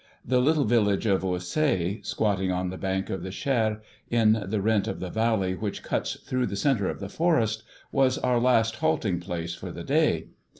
The little village of Ursay, squatting on the bank of the Cher, in the rent of the valley which cuts through the centre of the forest, was our last halting place for the day.